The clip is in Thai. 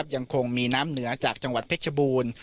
ยังคงมีน้ำเหนือจากจังหวัดเพชรบูรณ์